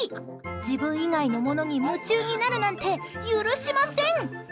自分以外のものに夢中になるなんて許しません。